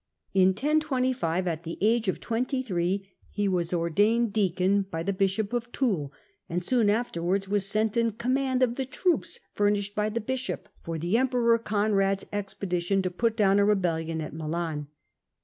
In 1025, at the age of twenty three, he was ordained deacon by the bishop of Toul, and soon afterwards was sent in command of the troops furnished by the bishop for the emperor Conrad's expedition to put down a rebellion at Milan.